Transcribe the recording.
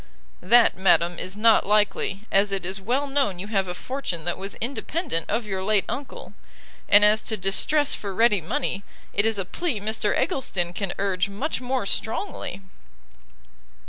"That, madam, is not likely, as it is well known you have a fortune that was independent of your late uncle; and as to distress for ready money, it is a plea Mr Eggleston can urge much more strongly."